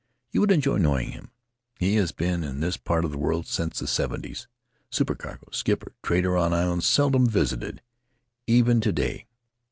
You would enjoy knowing him: he has been in this part of the world since the 'seventies — super cargo, skipper, trader on islands seldom visited even to day.